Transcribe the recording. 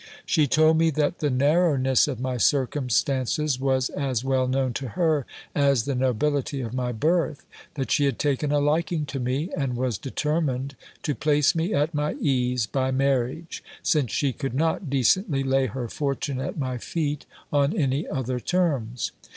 She told me that the narrowness of my circumstances was as well known to her as the nobility of my birth ; that she had taken a liking to me, and was de termined to place me at my ease by marriage, since she could not decently lay her fortune at my feet on any other terms.